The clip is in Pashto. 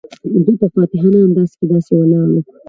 دوی په فاتحانه انداز کې داسې ولاړ وو.